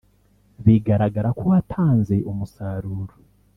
bigaragara ko watanze umusaruro